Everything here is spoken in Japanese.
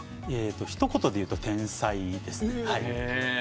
一言で言うと天才です。